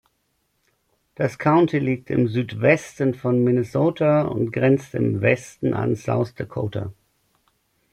Das County liegt im Südwesten von Minnesota und grenzt im Westen an South Dakota.